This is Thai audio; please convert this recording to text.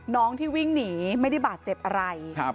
น้องที่วิ่งหนีไม่ได้บาดเจ็บอะไร